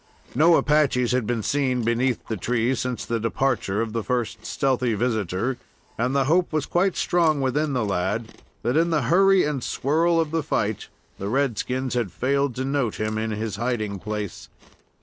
No Apaches had been seen beneath the tree since the departure of the first stealthy visitor, and the hope was quite strong within the lad that in the hurry and swirl of the fight the red skins had failed to note him in his hiding place.